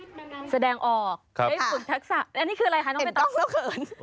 ได้แสดงออกได้ฝึกทักษะแล้วนี่คืออะไรคะน้องเป็นกล้องแล้วเขิน